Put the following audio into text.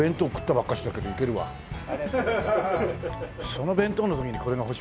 その弁当の時にこれが欲しかったな。